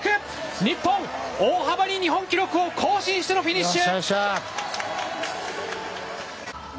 日本、大幅に日本記録を更新してのフィニッシュ！